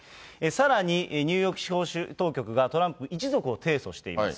さらにニューヨーク司法当局がトランプ一族を提訴しています。